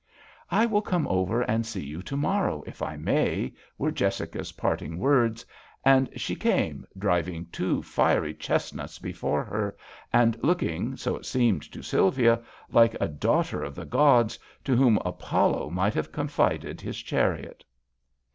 " I will come over and see you to morrow, if I may," were Jessica's parting words ; and she came, driving two fiery chest nuts before her and looking, so it seemed to Sylvia, like a daughter of the gods to whom Apollo might have confided his chariot.